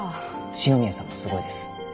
篠宮さんもすごいです。